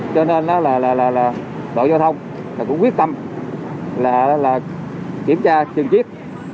cho nên là đội giao thông cũng quyết tâm kiểm tra chừng chiếc